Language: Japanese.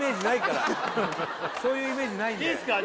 そういうイメージないんだよいいすか？